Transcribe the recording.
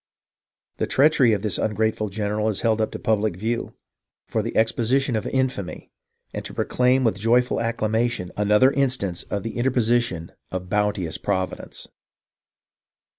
" The treachery of this ungrateful general is held up to pub lic view, for the exposition of infamy, and to proclaim with joyful acclamation, another instance of the interposition of bounteous Providence.